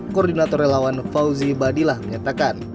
koordinator relawan fauzi badilah menyatakan